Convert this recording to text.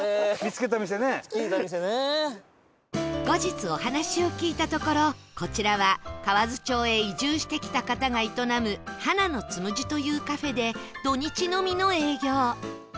後日お話を聞いたところこちらは河津町へ移住してきた方が営むハナのつむじというカフェで土日のみの営業